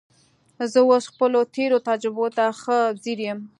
زه اوس خپلو تېرو تجربو ته ښه ځیر یم